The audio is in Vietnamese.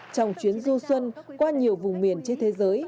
trong chuyến du xuân qua nhiều vùng miền trên thế giới